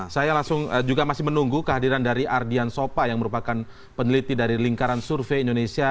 saya langsung juga masih menunggu kehadiran dari ardian sopa yang merupakan peneliti dari lingkaran survei indonesia